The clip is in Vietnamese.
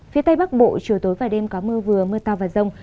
phía tây bắc bộ chiều tối và đêm có mưa vừa mưa to và rông